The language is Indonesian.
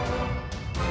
kenapa kamu tidak berhenti